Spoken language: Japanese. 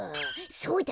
そうだ！